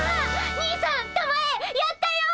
兄さんたまえやったよ！